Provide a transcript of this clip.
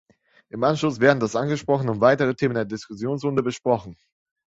Im Anschluss werden das angesprochene und weitere Themen in einer Diskussionsrunde besprochen.